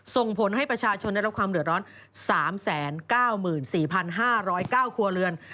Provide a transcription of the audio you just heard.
ส่งผลให้ประชาชนได้รับความเดือดร้อน๓๙๔๕๐๙ครัวเรือน